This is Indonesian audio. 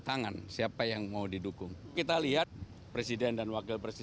dan itu adalah hal yang harus diketahui